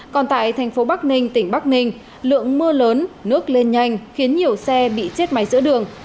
còn tại thành phố bắc ninh tỉnh bắc ninh lượng mưa lớn nước lên nhanh khiến nhiều xe bị chết máy giữa đường